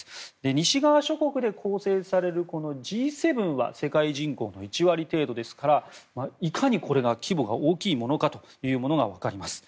西側諸国で構成されるＧ７は世界人口の１割程度ですからいかにこれが規模が大きいものかというのが分かります。